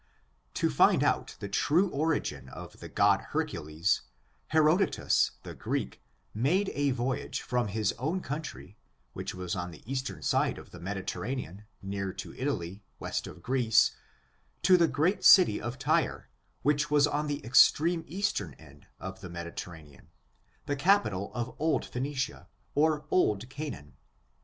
To find out the true origin of the god Hercules, Herodotus, the Greek, made a voyage from his own country, which was on the eastern side of the Medi terranean, near to Italy, west of Greece, to the great city of Tyre, which was on the extreme eastern end of the Mediterranean, the capital of old Phcenicia, or old Canaan.